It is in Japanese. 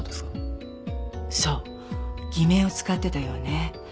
そう偽名を使ってたようね。